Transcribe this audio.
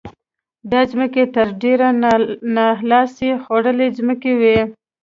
دا ځمکې تر ډېره نا لاس خوړلې ځمکې وې.